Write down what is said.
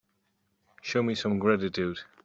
Show me some gratitude.